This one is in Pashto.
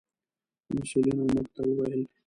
مسؤلینو موږ ته و ویل: